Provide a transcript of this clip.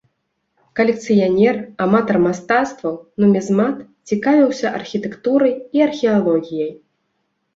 Калекцыянер, аматар мастацтваў, нумізмат, цікавіўся архітэктурай і археалогіяй.